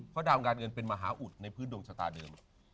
เพราะดาวการเงินเป็นมหาอุดในพื้นดวงชะตาเดิม